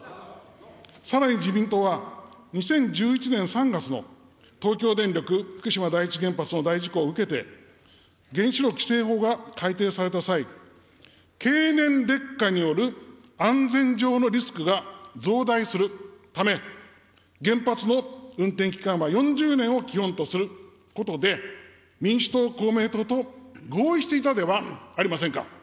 さらに自民党は、２０１１年３月の東京電力福島第一原発の大事故を受けて、原子炉規制法が改定された際、経年劣化による安全上のリスクが増大するため、原発の運転期間は４０年を基本とすることで、民主党、公明党と合意していたではありませんか。